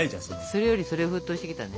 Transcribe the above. それよりそれ沸騰してきたね。